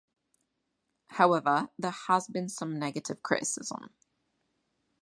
However, there has been some negative criticism.